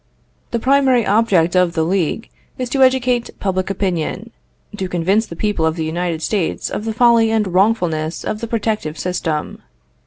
The primary object of the League is to educate public opinion; to convince the people of the United States of the folly and wrongfulness of the Protective system.